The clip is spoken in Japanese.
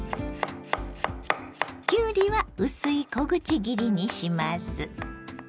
きゅうりは薄い小口切りにします。